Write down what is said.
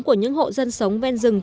của những hộ dân sống bên rừng